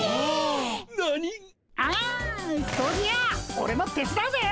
オレもてつだうぜ！